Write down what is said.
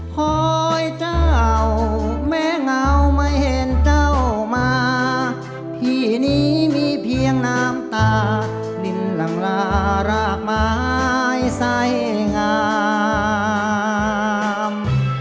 หอยเจ้าแม่เงาไม่เห็นเจ้ามาพี่นี้มีเพียงน้ำตานินหลังลารากไม้ไส้งาม